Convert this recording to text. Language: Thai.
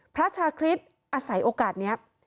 พระชาคริสต์อาศัยโอกาสนี้